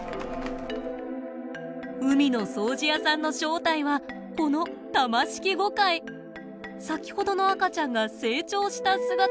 海の掃除屋さんの正体はこの先ほどの赤ちゃんが成長した姿です。